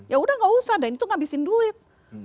ya udah gak usah dan itu ngabisin duit